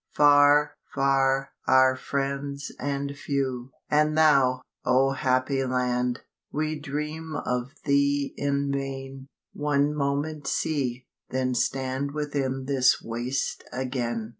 Far, far, our friends and few; And thou, O happy Land, We dream of thee in vain— One moment see, then stand Within this waste again.